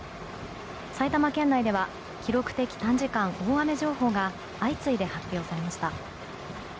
埼玉県内では記録的短時間大雨情報が相次いで発表されました。